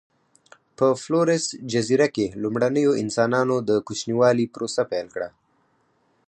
په فلورس جزیره کې لومړنیو انسانانو د کوچنیوالي پروسه پیل کړه.